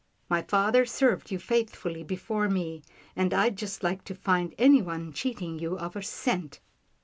My father served you faithfully before me — and I'd just like to find anyone cheating you of a cent."